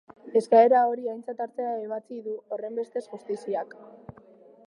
Eskaera hori aintzat hartzea ebatzi du, horrenbestez, justiziak.